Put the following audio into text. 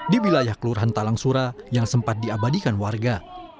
di wilayah kelurahan talang sura yang sempat diabadikan warga